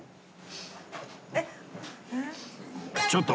ちょっと！